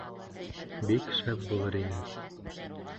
Бик шәп булыр ине был!